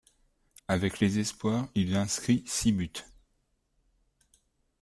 Avec les espoirs, il inscrit six buts.